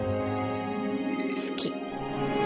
好き。